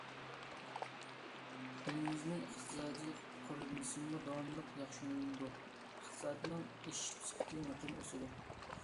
ئېلىمىزنىڭ ئىقتىسادىي قۇرۇلمىسىمۇ داۋاملىق ياخشىلىنىدۇ، ئىقتىسادنىڭ ئېشىش سۈپىتى مۇقىم ئۆسىدۇ.